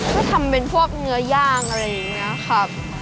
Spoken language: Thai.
ก็ทำเป็นพวกเนื้อย่างอะไรอย่างนี้ครับ